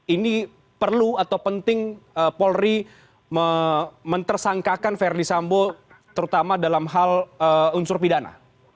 ini perlu atau penting polri mentersangkakan verdi sambo terutama dalam hal unsur pidana